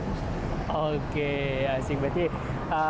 kesadaran dari kita sendiri ya